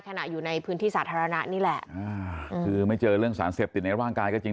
อยู่ในพื้นที่สาธารณะนี่แหละอ่าคือไม่เจอเรื่องสารเสพติดในร่างกายก็จริง